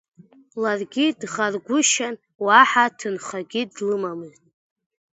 Лара дӷаргәышьан, уаҳа ҭынхагьы длымамызт.